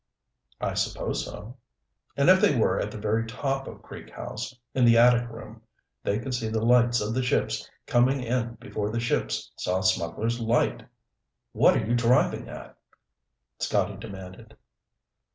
"I suppose so." "And if they were at the very top of Creek House, in the attic room, they could see the lights of the ships coming in before the ships saw Smugglers' Light!" "What are you driving at?" Scotty demanded.